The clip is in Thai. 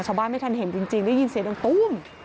ชาวบ้านไม่ทันเห็นจริงได้ยินเสียงตรงตรง